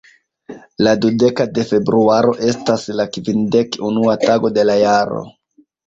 La dudeka de Februaro estas la kvindek-unua tago de la jaro.